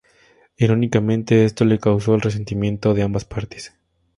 Irónicamente, esto le causó el resentimiento de ambas partes.